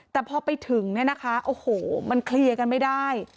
แต่พอไปถึงโอ้โหมันเคลียร์กันไม่ได้